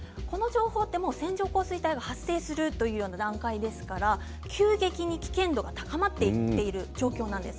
この情報は線状降水帯が発生するということですので急激に危険度が高まっている状況です。